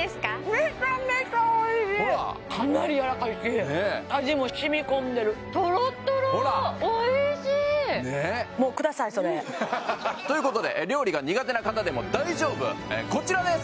めちゃめちゃおいしいほらかなり軟らかいし味も染み込んでるトロトロねっハハハということで料理が苦手な方でも大丈夫こちらです